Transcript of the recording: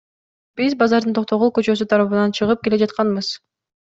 Биз базардын Токтогул көчөсү тарабынан чыгып келе жатканбыз.